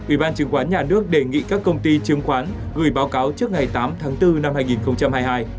ủy ban chứng khoán nhà nước đề nghị các công ty chứng khoán gửi báo cáo trước ngày tám tháng bốn năm hai nghìn hai mươi hai